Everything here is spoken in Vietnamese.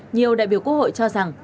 nhiều đại biểu quốc hội cho rằng